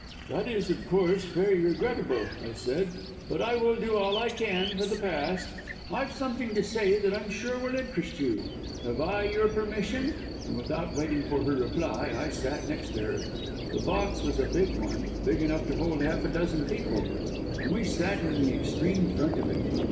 "'That is, of course, very regrettable,' I said, 'but I will do all I can for the past. I've something to say that I'm sure will interest you. Have I your permission?' and without waiting for her reply I sat next to her. The box was a big one, big enough to hold half a dozen people, and we sat in the extreme front of it.